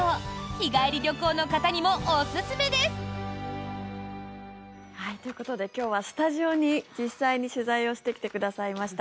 日帰り旅行の方にもおすすめです！ということで今日はスタジオに実際に取材をしてきてくださいました